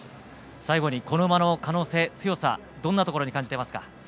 最後に、この馬の可能性、強さどんなところに感じてますか？